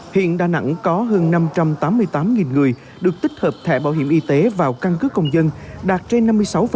hiện đà nẵng có hơn năm trăm tám mươi tám người được tích hợp thẻ bảo hiểm y tế vào căn cứ công dân đạt trên năm mươi sáu